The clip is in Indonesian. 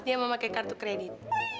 dia memakai kartu kredit